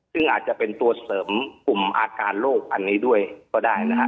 ซึ่งอาจจะเป็นตัวเสริมกลุ่มอาการโรคอันนี้ด้วยก็ได้นะฮะ